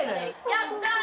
やったー！